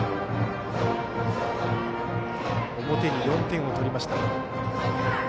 表に４点を取りました。